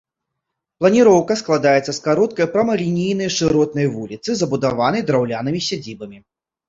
Планіроўка складаецца з кароткай прамалінейнай шыротнай вуліцы, забудаванай драўлянымі сядзібамі.